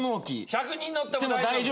「１００人乗っても大丈夫」。